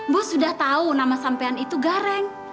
bu sudah tahu nama sampean itu gareng